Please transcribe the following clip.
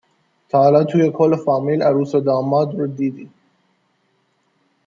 تا حالا توی کل فامیل عروس و داماد رو دیدی